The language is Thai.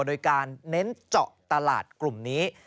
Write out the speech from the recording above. โดยการเน้นเจาะตลาดกลุ่มนี้